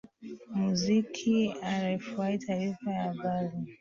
muziki rfi taarifa ya habari